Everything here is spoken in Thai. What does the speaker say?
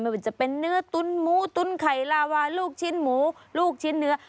ว่าจะเป็นเนื้อตุ้นหมูตุ้นไข่ลาวาลูกชิ้นหมูลูกชิ้นเนื้อ